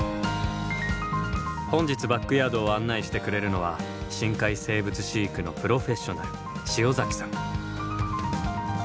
本日バックヤードを案内してくれるのは深海生物飼育のプロフェッショナル塩崎さん。